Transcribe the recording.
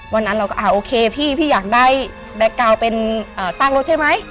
วันนั้นเราก็อ่าโอเคพี่พี่อยากได้แบ็คกาวน์เป็นซากรถใช่ไหม